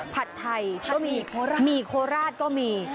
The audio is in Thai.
ผัดไทยก็มีหมี่โคราชก็มี